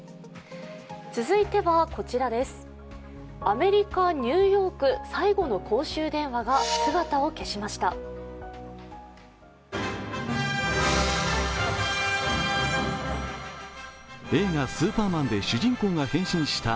続いては、アメリカニューヨーク最後の公衆電話が姿を消しました。